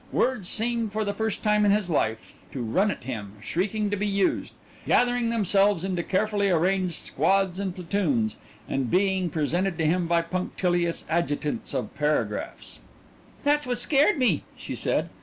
Words seemed for the first time in his life to run at him shrieking to be used, gathering themselves into carefully arranged squads and platoons, and being presented to him by punctilious adjutants of paragraphs. "That's what scared me," she said.